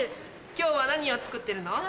今日は何を作ってるの？